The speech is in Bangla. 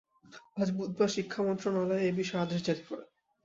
আজ বুধবার শিক্ষা মন্ত্রণালয় এ বিষয়ে আদেশ জারি করে।